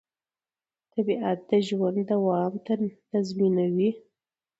طبیعت د ژوند دوام تضمینوي